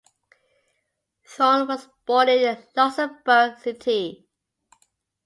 Thorn was born in Luxembourg City.